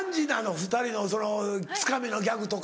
２人のそのつかみのギャグとか。